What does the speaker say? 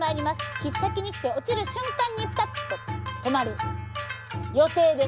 切っ先に来て落ちる瞬間にピタッと止まる予定です。